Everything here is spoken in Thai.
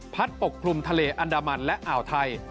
ปกคลุมทะเลอันดามันและอ่าวไทย